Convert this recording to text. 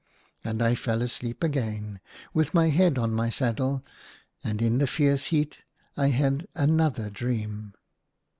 And I fell asleep again, with my head on my saddle. And in the fierce heat I had another dream.